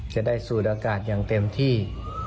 จะได้สูดอากาศอย่างเต็มที่